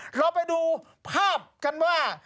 เราไปดูภาพกันว่า